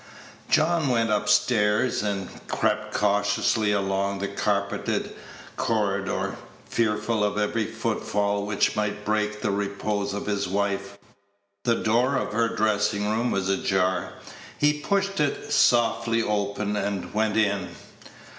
John went up stairs, and crept cautiously along the carpeted corridor, fearful of every footfall which might break the repose of his wife. The door of her dressing room was ajar; he pushed it softly open, and went in.